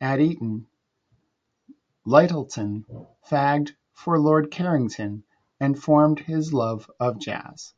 At Eton, Lyttelton fagged for Lord Carrington and formed his love of jazz.